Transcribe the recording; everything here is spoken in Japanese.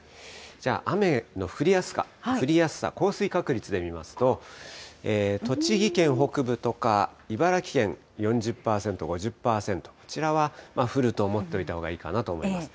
じゃあ雨の降りやすさ、降水確率で見ると、栃木県北部とか茨城県４０％、５０％、こちらは降ると思っておいたほうがいいかなと思います。